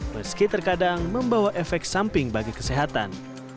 meski terkadang membawa efek samping bagi kesehatan